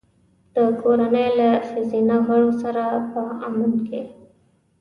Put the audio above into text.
د کورنۍ له ښځینه غړو سره په امن کې.